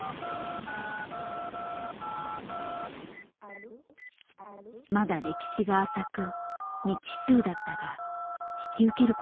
まだ歴史が浅く未知数だったが引き受けることにした。